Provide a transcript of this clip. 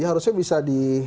harusnya bisa di